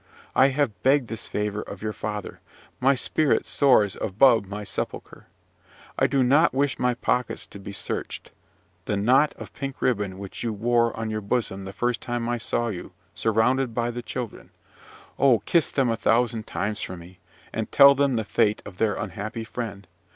I have begged this favour of your father. My spirit soars above my sepulchre. I do not wish my pockets to be searched. The knot of pink ribbon which you wore on your bosom the first time I saw you, surrounded by the children Oh, kiss them a thousand times for me, and tell them the fate of their unhappy friend!